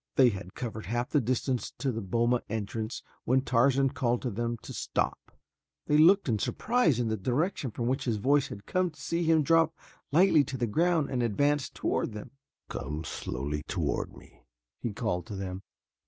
They had covered half the distance to the boma entrance when Tarzan called to them to stop. They looked in surprise in the direction from which his voice had come to see him drop lightly to the ground and advance toward them. "Come slowly toward me," he called to them.